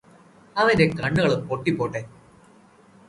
അവന്റെ കണ്ണുകൾ പൊട്ടിപോവട്ടെ